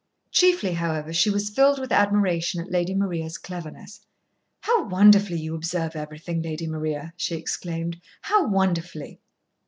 Chiefly, however, she was filled with admiration at Lady Maria's cleverness. "How wonderfully you observe everything, Lady Maria!" she exclaimed. "How wonderfully!"